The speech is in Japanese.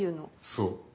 そう。